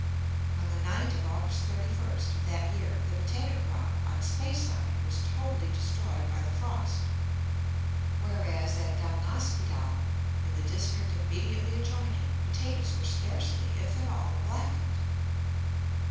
On the night of August 31 of that year, the potato crop on Speyside was totally destroyed by the frost; whereas at Dalnaspidal, in the district immediately adjoining, potatoes were scarcely if at all blackened.